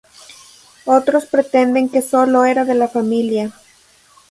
Otros pretenden que sólo era de la familia.